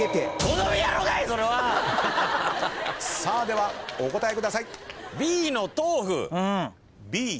さあではお答えください。